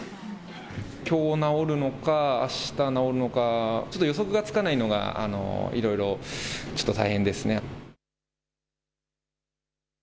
きょう直るのか、あした直るのか、ちょっと予測がつかないのが、いろいろちょっと大変ですね。